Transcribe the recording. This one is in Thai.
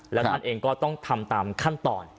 แล้วท่านเองก็ต้องทำตามขั้นตอน